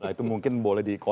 itu mungkin boleh